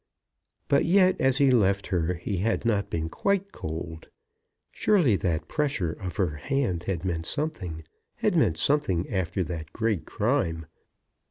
But yet as he left her he had not been quite cold. Surely that pressure of her hand had meant something; had meant something after that great crime!